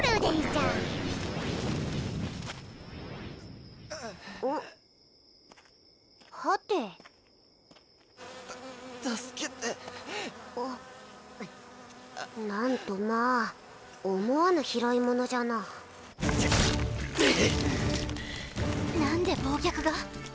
た助けて何とまあ思わぬ拾いものじゃな何で暴虐が？